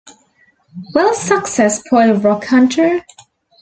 Will Success Spoil Rock Hunter?